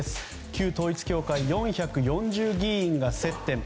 旧統一教会、４４０議員が接点。